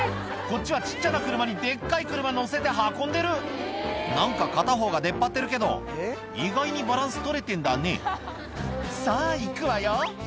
こっちは小っちゃな車にデッカい車載せて運んでる何か片方が出っ張ってるけど意外にバランス取れてんだね「さぁ行くわよ」